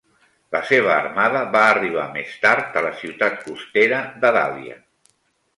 La seva armada va arribar més tard a la ciutat costera d"Adalia.